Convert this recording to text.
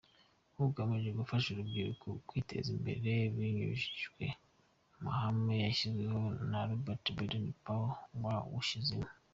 Ugamije gufasha urubyiruko kwiteza imbere binyujijwe mu mahame yashyizweho na Robert Baden Powel wawushinze.